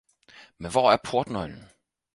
Men hvor er portnøglen!